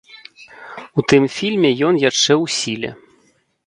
У тым фільме ён яшчэ ў сіле.